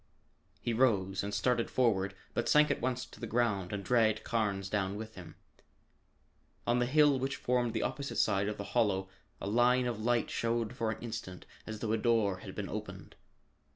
He rose and started forward but sank at once to the ground and dragged Carnes down with him. On the hill which formed the opposite side of the hollow a line of light showed for an instant as though a door had been opened.